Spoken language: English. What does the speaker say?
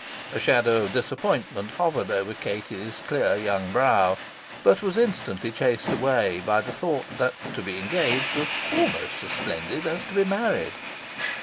A shadow of disappointment hovered over Katie's clear young brow, but was instantly chased away by the thought that to be engaged was almost as splendid as to be married.